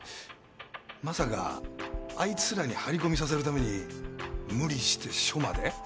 まさかあいつらに張り込みさせるために無理して署まで？